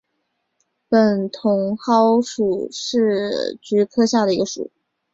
木筒篙属是菊科下的一个属。